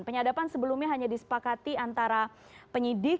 penyadapan sebelumnya hanya disepakati antara penyidik